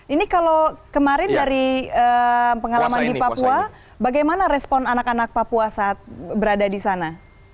ini kalau kemarin dari pengalaman di papua bagaimana respon anak anak papua saat berada di sana